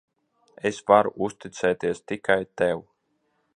Es varu uzticēties tikai tev.